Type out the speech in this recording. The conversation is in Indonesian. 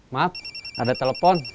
maaf ada telepon